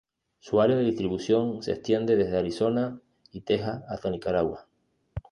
Su área de distribución se extiende desde Arizona y Texas hasta Nicaragua.